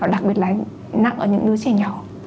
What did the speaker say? đặc biệt là nặng ở những đứa trẻ nhỏ